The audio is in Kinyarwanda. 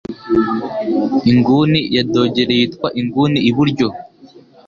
Inguni ya dogere yitwa inguni iburyo.